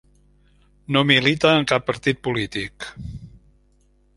No milita en cap partit polític.